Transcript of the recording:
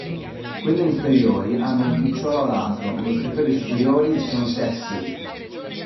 Quelle inferiori hanno un picciolo alato, mentre quelle superiori sono sessili.